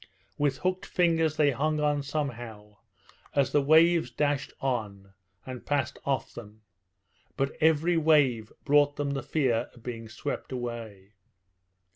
With hooked fingers they hung on somehow, as the waves dashed on and passed off them; but every wave brought them the fear of being swept away.